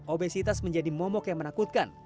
obesitas menjadi momok yang menakutkan